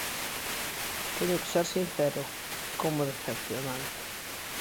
Teño que ser sincero: como decepcionante.